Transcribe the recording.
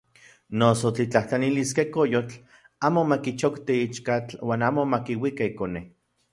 Noso tiktlajtlaniliskej koyotl amo makichokti ichkatl uan amo makiuika ikone.